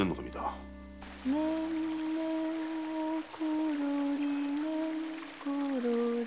「ねんねんおころりねんころり」